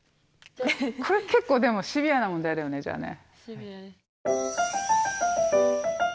これ結構でもシビアな問題だよねじゃあね。